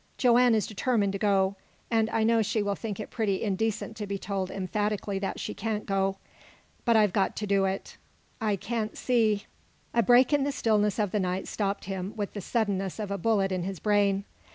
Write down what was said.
Joanne is determined to go, and I know she will think it pretty indecent to be told emphatically that she can't go. But I've got to do it. I can't see " A break in the stillness of the night stopped him with the suddenness of a bullet in his brain.